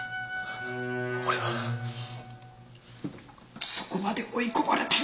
俺はそこまで追い込まれてるんだ